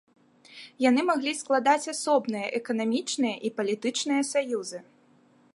Яны маглі складаць асобныя эканамічныя і палітычныя саюзы.